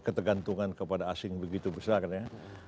ketergantungan kepada asing begitu besar ya